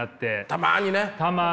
たまにね。